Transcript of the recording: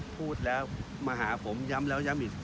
พูดแล้วมาหาผมย้ำแล้วย้ำอีก